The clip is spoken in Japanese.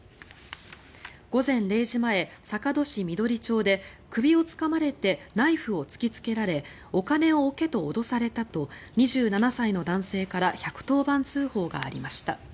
午前０時前、坂戸市緑町で首をつかまれてナイフを突きつけられお金を置けと脅されたと２７歳の男性から１１０番通報がありました。